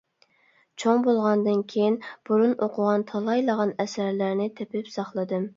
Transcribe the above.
چوڭ بولغاندىن كېيىن بۇرۇن ئوقۇغان تالايلىغان ئەسەرلەرنى تېپىپ ساقلىدىم.